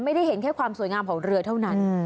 ไม่ได้เห็นแค่ความสวยงามของเรือเท่านั้น